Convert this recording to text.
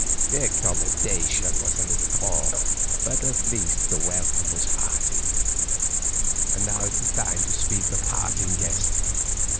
The accommodation was a little poor, but at least the welcome was hearty. And now it is time to speed the parting guest.